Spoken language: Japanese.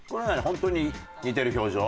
本当に似てる表情？